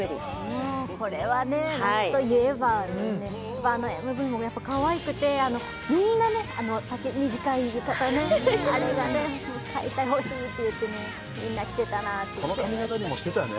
もうこれはね夏といえばはいあのＭＶもやっぱかわいくてみんなね丈短い浴衣ねあれがね買いたい欲しいって言ってねみんな着てたなってこの髪形にもしてたよね